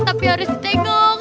tapi harus ditengok